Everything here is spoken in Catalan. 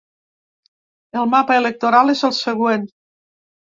El mapa electoral és el següent.